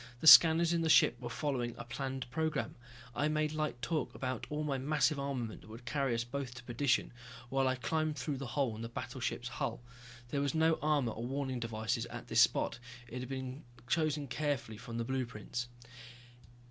The scanners in the ship were following a planned program. I made light talk about all my massive armament that would carry us both to perdition, while I climbed through the hole in the battleship's hull. There was no armor or warning devices at this spot, it had been chosen carefully from the blueprints.